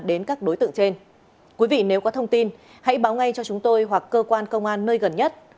đến các đối tượng trên quý vị nếu có thông tin hãy báo ngay cho chúng tôi hoặc cơ quan công an nơi gần nhất